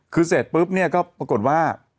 คือเสร็จปุ๊บเนี่ยก็ปรากฏว่า